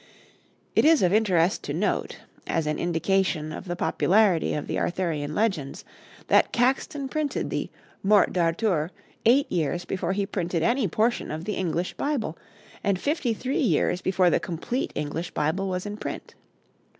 It is of interest to note, as an indication of the popularity of the Arthurian legends, that Caxton printed the 'Morte d'Arthur' eight years before he printed any portion of the English Bible, and fifty three years before the complete English Bible was in print.